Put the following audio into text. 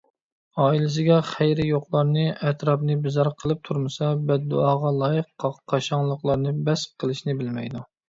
ئائىلىسىگە خەيرى يوقلارنى، ئەتراپنى بىزار قىلىپ تۇرمىسا بەددۇئاغا لايىق قاشاڭلىقلارنى بەس قىلىشنى بىلمەيدۇ.